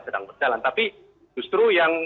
sedang berjalan tapi justru yang